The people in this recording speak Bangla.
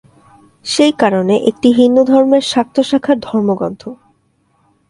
সেই কারণে এটি হিন্দুধর্মের শাক্ত শাখার ধর্মগ্রন্থ।